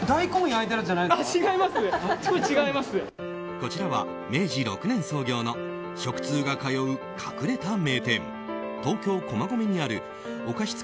こちらは明治６年創業の食通が通う隠れた名店東京・駒込にあるお菓子司